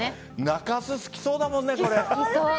中洲、好きそうだからね。